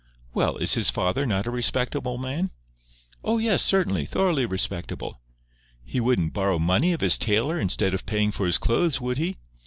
"Well, is his father not a respectable man?" "Oh, yes, certainly. Thoroughly respectable." "He wouldn't borrow money of his tailor instead of paying for his clothes, would he?"